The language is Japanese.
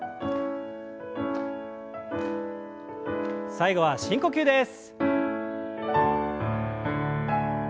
最後は深呼吸です。